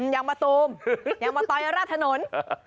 ยังมาตูมยังมาต่อยราดถนน